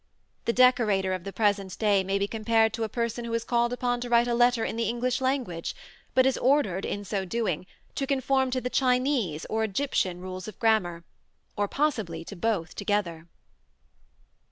The decorator of the present day may be compared to a person who is called upon to write a letter in the English language, but is ordered, in so doing, to conform to the Chinese or Egyptian rules of grammar, or possibly to both together.